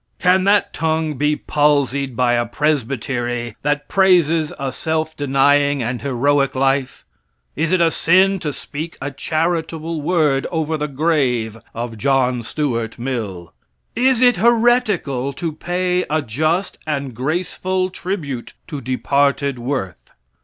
Can that tongue be palsied by a presbytery that praises a self denying and heroic life? Is it a sin to speak a charitable word over the grave of John Stuart Mill? Is it heretical to pay a just and graceful tribute to departed worth?